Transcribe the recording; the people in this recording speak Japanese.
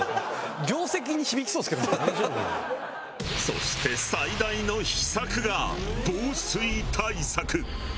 そして最大の秘策が防水対策。